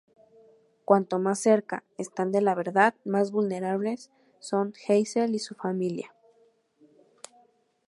Cuánto más cerca están de la verdad, más vulnerables son Hassel y su familia.